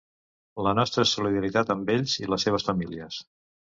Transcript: La nostra solidaritat amb ells i les seves famílies.